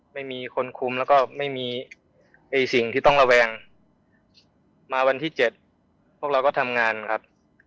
ไม่มีคนคุมแล้วก็ไม่มีสิ่งที่ต้องระแวงมาวันที่๗พวกเราก็ทำงานครับ